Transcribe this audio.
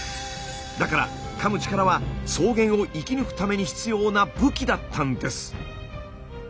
だからかむ力は草原を生き抜くために必要な「武器」だったんです。